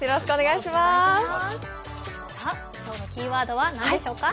今日のキーワードは何でしょうか。